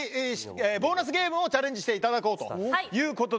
ボーナスゲームをチャレンジしていただこう